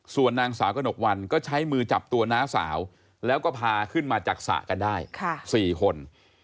ส่วนนางสาวกระหนกวันก็ใช้มือจับตัวน้าสาวแล้วก็พาขึ้นมาจากสระกันได้๔คน